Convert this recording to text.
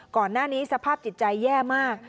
ก่อนหน้านี้สภาพจิตใจแย่มาก